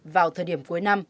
vào thời điểm cuối năm